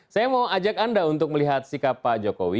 saya mau ajak anda untuk melihat sikap pak jokowi